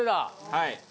はい。